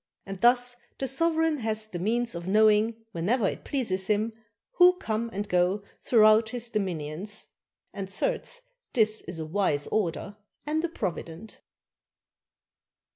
And thus the sovereign hath the means of knowing, whenever it pleases him, who come and go throughout his dominions. And certes this is a wise order and a provident.